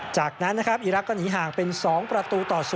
จากนั้นนะครับอีรักษ์ก็หนีห่างเป็น๒ประตูต่อ๐